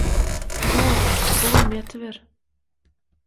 – Bor, oglum ýatyber.